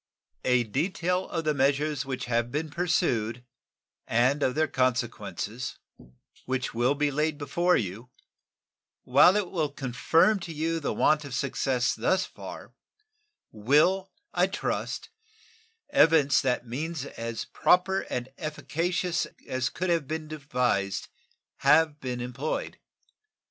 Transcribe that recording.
A detail of the measures which have been pursued and of their consequences, which will be laid before you, while it will confirm to you the want of success thus far, will, I trust, evince that means as proper and as efficacious as could have been devised have been employed.